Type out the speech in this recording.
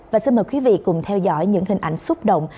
và xin mời quý vị cùng theo dõi những hình ảnh xúc động